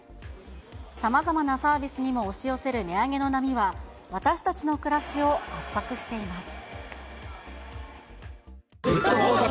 さまざまなサービスにも押し寄せる値上げの波は、私たちの暮らしを圧迫しています。